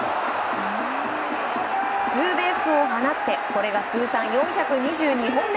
ツーベースを放ってこれが通算４２２本目。